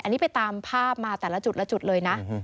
อันนี้ไปตามภาพมาแต่ละจุดละจุดเลยนะ